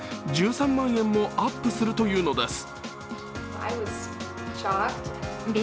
１３万円もアップするというのです。